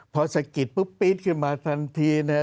พอสะกิดปุ๊บปี๊ดขึ้นมาทันทีนะ